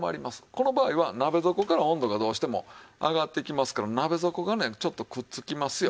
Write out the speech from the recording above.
この場合は鍋底から温度がどうしても上がってきますから鍋底がねちょっとくっつきますよ。